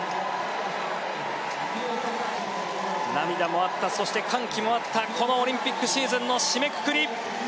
涙もあったそして、歓喜もあったこのオリンピックシーズンの締めくくり。